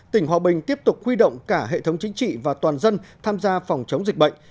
tỉnh hòa bình tiếp tục huy động cả hệ thống chính trị và toàn dân tham gia phòng chống dịch bệnh